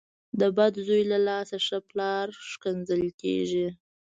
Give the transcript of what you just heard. ـ د بد زوی له لاسه ښه پلار کنځل کېږي .